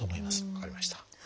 分かりました。